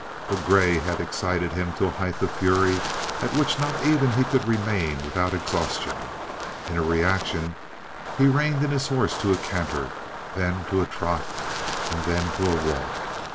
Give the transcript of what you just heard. But Grey had excited him to a height of fury at which not even he could remain without exhaustion. In a reaction he reined in his horse to a canter, then to a trot, and then to a walk.